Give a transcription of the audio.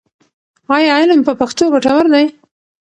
ایا علم په پښتو ګټور دی؟